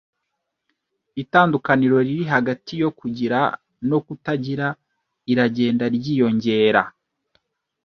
Itandukaniro riri hagati yo kugira no kutagira iragenda ryiyongera.